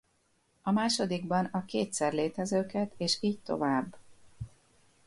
A másodikban a kétszer létezőket és így tovább.